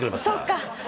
そっか。